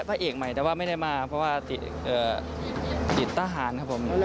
พระเอกใหม่แต่ว่าไม่ได้มาเพราะว่าติดทหารครับผม